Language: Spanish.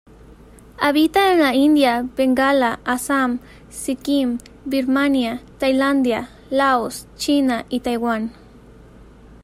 Habita en la India, Bengala, Assam, Sikkim, Birmania, Tailandia, Laos, China y Taiwán.